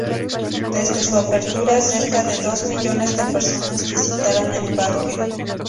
Desde su apertura, cerca de dos millones de personas visitaron el parque.